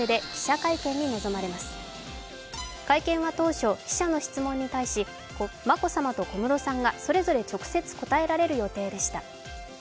会見は当初、記者の質問に対し眞子さまとそれぞれ直接答えられる予定でした。